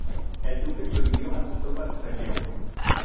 El duque prohibió a sus tropas el saqueo.